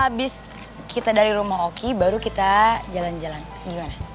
habis kita dari rumah oki baru kita jalan jalan gimana